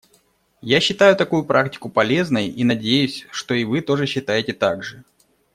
Я считаю такую практику полезной и надеюсь, что и вы тоже считаете так же.